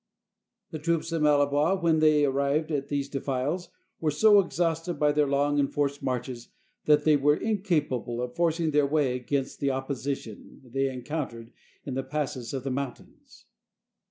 The troops of Malle bois, when they arrived at these defiles, were so ex hausted by their long and forced marches, that they were incapable of forcing their way against the opposi tion they encountered in the passes of the mountains.